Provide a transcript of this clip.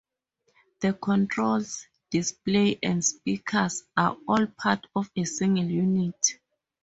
The controls, display and speakers are all part of a single unit.